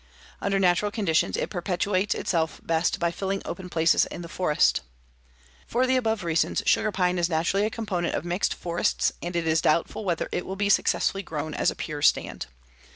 Under natural conditions it perpetuates itself best by filling open places in the forest. For the above reasons, sugar pine is naturally a component of mixed forests and it is doubtful whether it will be successfully grown as a pure stand.